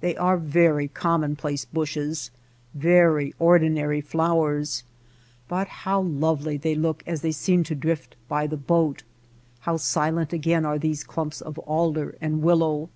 They are very commonplace bushes, very ordinary flowers ; but how lovely they look as they seem to drift by the boat ! How silent again are these clumps of alder and willow